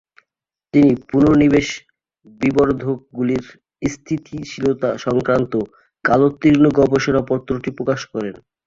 তিনি পুনর্নিবেশ বিবর্ধকগুলির স্থিতিশীলতা সংক্রান্ত কালোত্তীর্ণ গবেষণাপত্রটি প্রকাশ করেন।